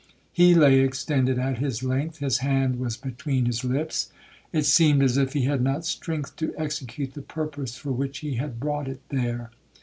He lay extended at his length,—his hand was between his lips; it seemed as if he had not strength to execute the purpose for which he had brought it there.